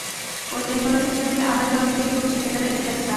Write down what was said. ঐ টেকনোলজিটাকে আদা-জল খেয়ে খুঁজছে ফেডারেল এজেন্টরা।